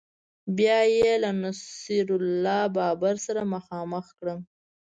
بیا یې له نصیر الله بابر سره مخامخ کړم